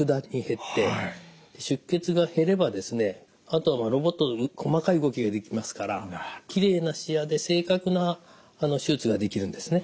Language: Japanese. あとはロボット細かい動きができますからきれいな視野で正確な手術ができるんですね。